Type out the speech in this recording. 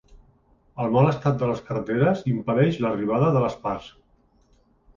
El mal estat de les carreteres impedeix l’arribada de les parts.